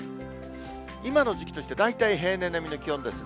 今の時期として、大体平年並みの気温ですね。